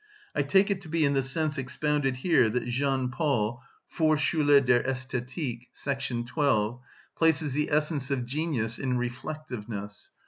I take it to be in the sense expounded here that Jean Paul (Vorschule der Æsthetik, § 12) places the essence of genius in reflectiveness.